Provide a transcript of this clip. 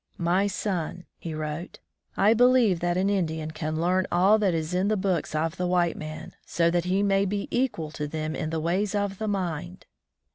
"My son," he wrote, "I believe that an Indian can learn all that is in the books of the white man, so that he may be equal to them in the ways of the mind!"